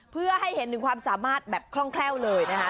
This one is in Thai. เพื่อให้เห็นถึงความสามารถแบบคล่องแคล่วเลยนะคะ